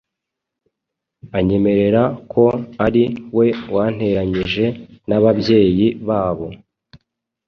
anyemerera ko ari we wanteranyije n’ababyeyi babo